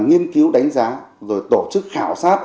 nghiên cứu đánh giá rồi tổ chức khảo sát